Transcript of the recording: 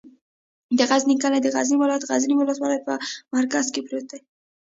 د غزنی کلی د غزنی ولایت، غزنی ولسوالي په مرکز کې پروت دی.